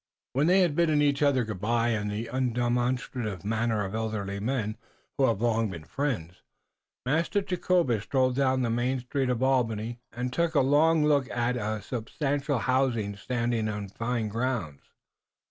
When they had bidden each other good by in the undemonstrative manner of elderly men who have long been friends, Master Jacobus strolled down the main street of Albany and took a long look at a substantial house standing in fine grounds.